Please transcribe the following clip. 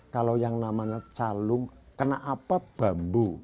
kalau yang namanya calung kenapa bambu